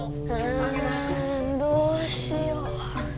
あどうしよう。